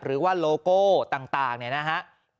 หรือว่าโลโก้ต่างเนี่ยนะฮะ